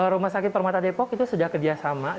rumah sakit permata depok itu sudah kerjasama